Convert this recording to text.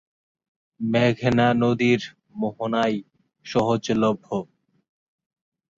মেঘনা নদীর মোহনায় সহজলভ্য।